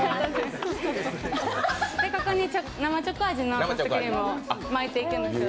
ここに生チョコ味のソフトクリームを巻いていくんですよ。